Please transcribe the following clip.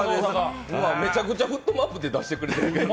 めちゃくちゃフットマップで出してくる。